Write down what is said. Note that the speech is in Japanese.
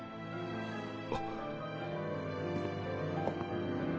あっ。